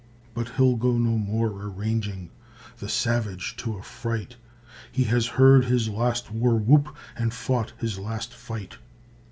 But he'll go no more a ranging, The savage to affright; He has heard his last war whoop, And fought his last fight.